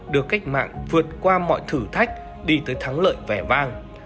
được cách mạng vượt qua mọi thử thách đi tới thắng lợi vẻ vang